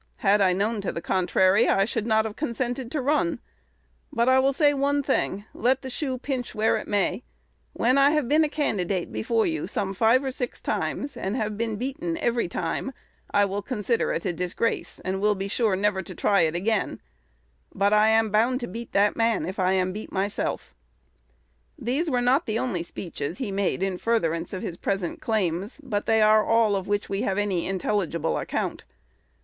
Had I have known to the contrary, I should not have consented to run; but I will say one thing, let the shoe pinch where it may: when I have been a candidate before you some five or six times, and have been beaten every time, I will consider it a disgrace, and will be sure never to try it again; but I am bound to beat that man if I am beat myself." These were not the only speeches he made in furtherance of his present claims, but they are all of which we have any intelligible account.